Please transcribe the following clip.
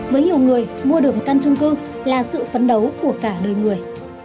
với nhiều người mua được căn trung cư là sự phấn đấu của cả đời người